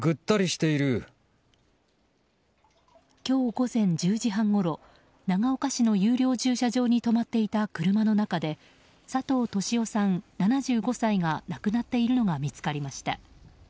今日午前１０時半ごろ長岡市の有料駐車場に止まっていた車の中で佐藤敏雄さん、７５歳が亡くなっているのが見つかりました。